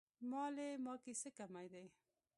مالې ما کې څه کمی دی.